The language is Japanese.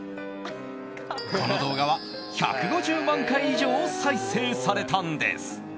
この動画は１５０万回以上再生されたんです。